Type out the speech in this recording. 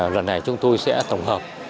lần này chúng tôi sẽ tổng hợp